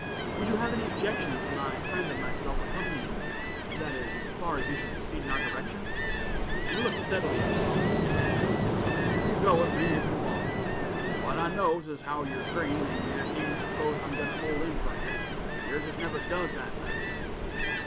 "Would you have any objections to my friend and myself accompanying you, that is, as far as you should proceed in our direction?" He looked steadily at me a moment, and answered, "You kin go with me ef you wants; but I knows as how you're green, and yer needn't s'pose I'm goin' to hold in fur yer. Yers as never does that thing."